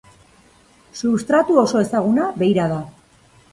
Substratu oso ezaguna beira da.